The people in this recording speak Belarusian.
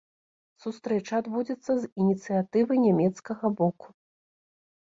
Сустрэча адбудзецца з ініцыятывы нямецкага боку.